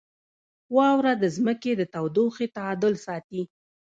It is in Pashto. • واوره د ځمکې د تودوخې تعادل ساتي.